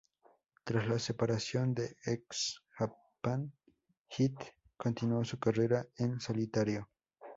Tras la separación de X Japan, Heath continuó su carrera en solitario.